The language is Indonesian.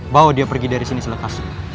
bawa dia pergi dari sini selepas